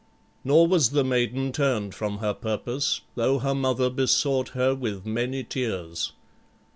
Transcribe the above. Nor was the maiden turned from her purpose though her mother besought her with many tears.